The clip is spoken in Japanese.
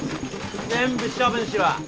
全部処分しろ。